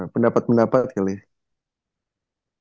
pendapat pendapat kali ya